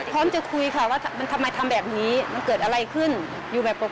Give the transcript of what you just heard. พร้อมจะคุยค่ะว่ามันทำไมทำแบบนี้มันเกิดอะไรขึ้นอยู่แบบปกติ